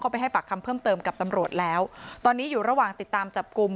ไปให้ปากคำเพิ่มเติมกับตำรวจแล้วตอนนี้อยู่ระหว่างติดตามจับกลุ่ม